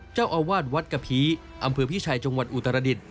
เจ้าอาวาสวัดกะพีอำเภอพิชัยจังหวัดอุตรดิษฐ